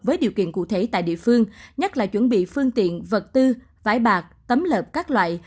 với điều kiện cụ thể tại địa phương nhất là chuẩn bị phương tiện vật tư vải bạc tấm lợp các loại